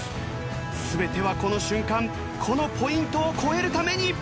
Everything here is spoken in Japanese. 全てはこの瞬間このポイントを越えるために。